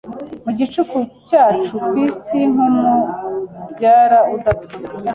Mu gicucu cyacu kwisi Nkumubyara udapfa